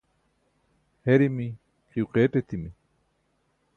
herimi, qiyo qeeṭ etimi